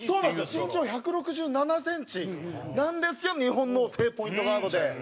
身長１６７センチなんですけど日本の正ポイントガードで。